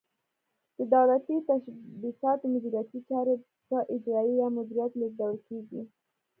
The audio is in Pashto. د دولتي تشبثاتو مدیریتي چارې په اجارې یا مدیریت لیږدول کیږي.